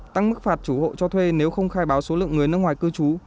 tăng mức phạt chủ hộ cho thuê nếu không khai báo số lượng người nước ngoài cư trú